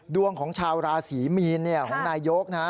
ดวงของชาวราศีมีนของนายกนะฮะ